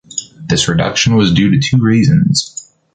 This reduction was due to two reasons.